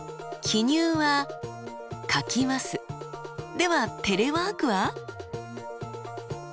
では「テレワーク」は？